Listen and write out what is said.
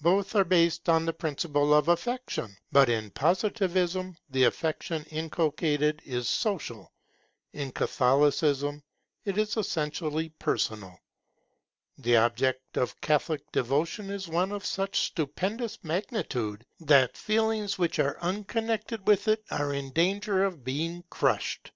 Both are based upon the principle of affection; but in Positivism the affection inculcated is social, in Catholicism it is essentially personal. The object of Catholic devotion is one of such stupendous magnitude, that feelings which are unconnected with it are in danger of being crushed.